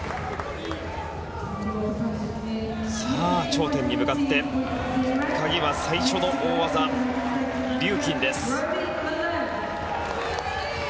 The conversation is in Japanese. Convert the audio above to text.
頂点に向かって鍵は最初の大技リューキンです。